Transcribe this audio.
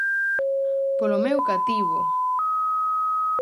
-Polo meu cativo...!